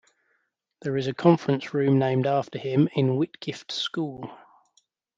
There is a conference room named after him in Whitgift School.